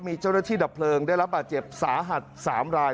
มีเจ้าหน้าที่ดับเพลิงได้รับบาดเจ็บสาหัส๓ราย